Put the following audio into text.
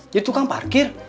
ya tukang parkir